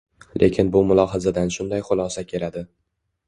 Lekin bu mulohazadan shunday xulosa keladi.